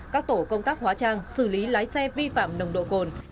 các tổ công tác hóa trang xử lý lái xe vi phạm nồng độ cồn